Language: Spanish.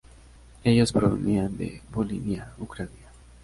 Ellos provenían de Volinia, Ucrania.